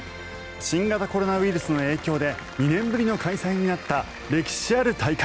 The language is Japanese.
新型コロナウイルスの影響で２年ぶりの開催になった歴史ある大会。